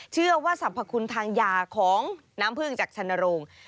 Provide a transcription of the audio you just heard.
เชื่อว่าสรรพคุณทางยาของน้ำพึ่งจากชนโรง